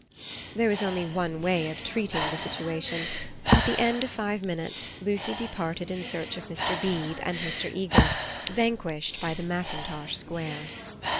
There was only one way of treating the situation. At the end of five minutes Lucy departed in search of Mr. Beebe and Mr. Eager, vanquished by the mackintosh square.